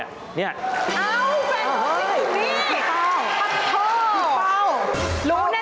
เอ้าแฟนตัวตรงนี้